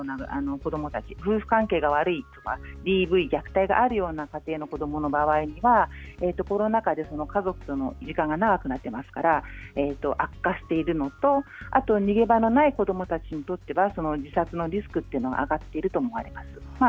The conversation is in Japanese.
子どもたち夫婦関係が悪いとかＤＶや虐待があるような家庭ではコロナ禍で家族との時間が長くなっていますから悪化しているのとあとは逃げ場のない子どもたちにとっては自殺のリスクが上がっていると思います。